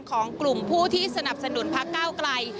ของกลุ่มผู้ที่สนับสนุนพักก้าวไกล